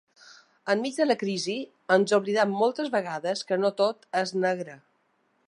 Enmig de la crisi, ens oblidem moltes vegades que no tot és negre.